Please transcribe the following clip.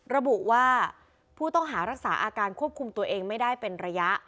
ระบุว่าผู้ต้องหารักษาอาการควบคุมตัวเองไม่ได้เป็นระยะ